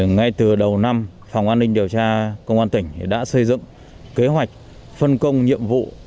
ngay từ đầu năm phòng an ninh điều tra công an tỉnh đã xây dựng kế hoạch phân công nhiệm vụ